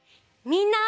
みんな！